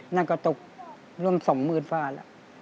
นั่นก็ตกรวม๒๐๐๐๐ฟาแล้ว